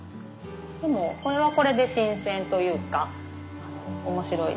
でもこれはこれで新鮮というか面白いです。